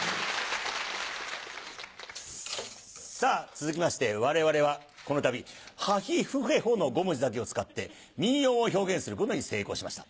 さぁ続きまして我々はこのたび「はひふへほ」の５文字だけを使って民謡を表現することに成功しました。